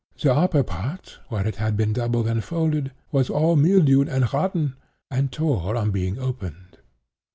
The upper part, where it had been doubled and folded, was all mildewed and rotten, and tore on being opened.